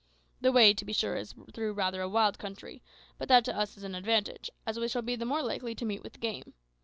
The way, to be sure, is through rather a wild country; but that to us is an advantage, as we shall be the more likely to meet with game.